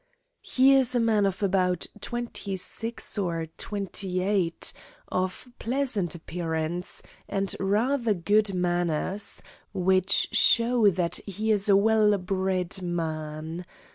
He is a man of about twenty six or twenty eight, of pleasant appearance, and rather good manners, which show that he is a well bred man.